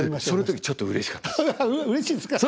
その時ちょっとうれしかったです。